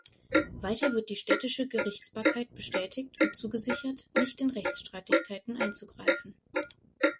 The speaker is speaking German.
Weiter wird die städtische Gerichtsbarkeit bestätigt und zugesichert, nicht in Rechtsstreitigkeiten einzugreifen.